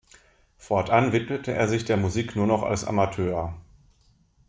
Fortan widmete er sich der Musik nur noch als Amateur.